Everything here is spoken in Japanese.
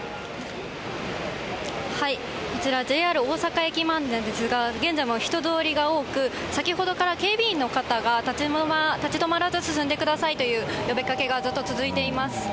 こちら、ＪＲ大阪駅前なんですが、現在も人通りが多く、先ほどから警備員の方が、立ち止まらず進んでくださいという呼びかけがずっと続いています。